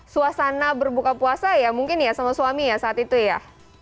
suasana berbuka puasa ya mungkin ya sama suami ya saat itu ya